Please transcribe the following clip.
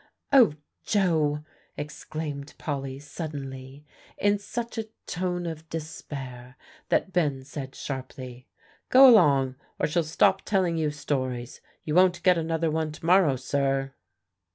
"O Joe!" exclaimed Polly suddenly, in such a tone of despair that Ben said sharply, "Go along, or she'll stop telling you stories. You won't get another one to morrow sir!"